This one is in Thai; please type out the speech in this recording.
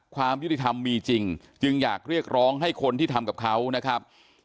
ความยุติธรรมมีจริงจึงอยากเรียกร้องให้คนที่ทำกับเขานะครับ